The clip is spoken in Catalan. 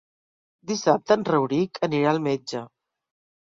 Dissabte en Rauric anirà al metge.